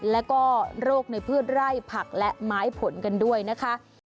แล้วก็โรคในพืชไร่ผักและไม้ผลกันด้วยนะคะ